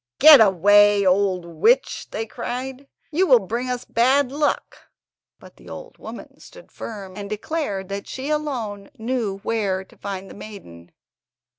"Get away, old witch!" they cried, "you will bring us bad luck"; but the old woman stood firm, and declared that she alone knew where to find the maiden.